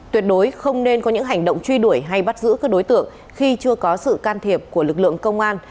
tuyệt đối không nên có những hành động truy đuổi hay bắt giữ các đối tượng khi chưa có sự can thiệp của lực lượng công an